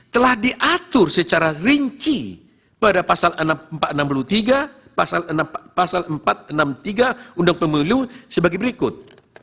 telah diatur secara rinci pada pasal empat ratus enam puluh tiga undang pemilu sebagai berikut